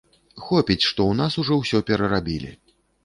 Хопіць, што ў нас ужо ўсё перарабілі.